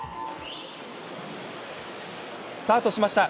スタートしました。